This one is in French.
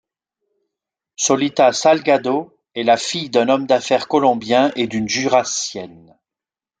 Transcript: Solita Salgado est la fille d’un homme d’affaires colombien et d’une Jurassienne.